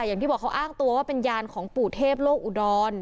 อย่างที่บอกเขาอ้างตัวว่าเป็นยานของปู่เทพโลกอุดร